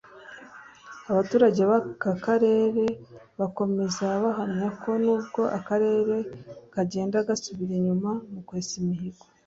Abaturage b’aka karere bakomeza bahamya ko nubwo akarere kagenda gasubira inyuma mu kwesa imihigo